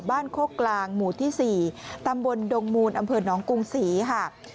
บ้านโคกลางหมู่ที่๔ตำบลดงมูลอนกรุงศรีค่ะ